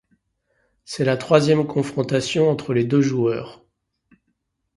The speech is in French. C'est la troisième confrontation entre les deux joueurs.